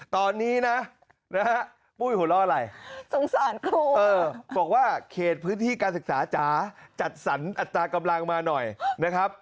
ตอนนี้นะพูดหูล่ออะไรบอกว่าเขตพื้นที่การศึกษาจาจัดสรรอัตรากำลังมาหน่อยนะครับ